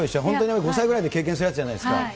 本当に５歳くらいで経験するやつじゃないですか。